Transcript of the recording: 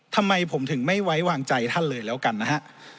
ทำไมผมถึงไม่ไว้วางใจท่านเลยแล้วกันนะฮะ